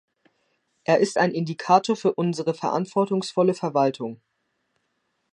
Er ist ein Indikator für unsere verantwortungsvolle Verwaltung.